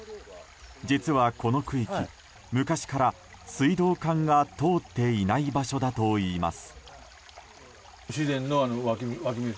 実はこの区域、昔から水道管が通っていない場所だといいます。